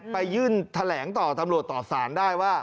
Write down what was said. ไปยื่นแถลงต่อตำรวจต่อสารได้ว่า